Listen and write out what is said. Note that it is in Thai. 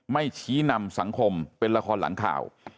ชี้นำสังคมเป็นละครหลังข่าว